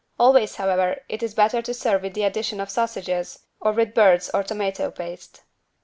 Always, however, it is better to serve with the addition of sausages, or with birds or tomato paste.